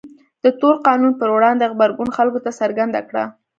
د تور قانون پر وړاندې غبرګون خلکو ته څرګنده کړه.